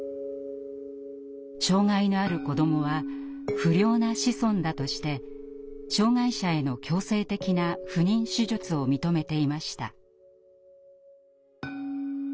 障害のある子どもは「不良な子孫」だとして障害者への強制的な不妊手術を認めていました。